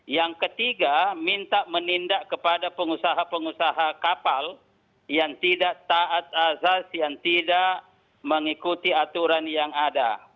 yang ketiga minta menindak kepada pengusaha pengusaha kapal yang tidak taat azas yang tidak mengikuti aturan yang ada